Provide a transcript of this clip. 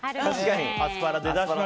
アスパラ。